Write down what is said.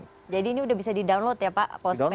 jadi ini sudah bisa di download ya pak postpay ini ya